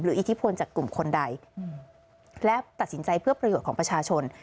อิทธิพลจากกลุ่มคนใดและตัดสินใจเพื่อประโยชน์ของประชาชน